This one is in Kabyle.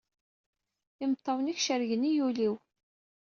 Imeṭṭawen-ik cerrgen-iyi ul-iw!